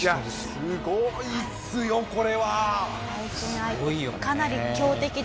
すごいですよこれ！